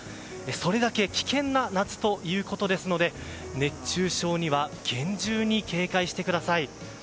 それだけ危険な夏ということですので熱中症には厳重に警戒してください。